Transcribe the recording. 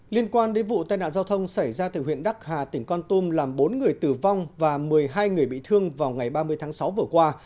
liên quan đến vụ tai nạn giao thông xảy ra tại huyện đắc hà tỉnh con tum làm bốn người tử vong và một mươi hai người bị thương vào ngày ba mươi tháng sáu vừa qua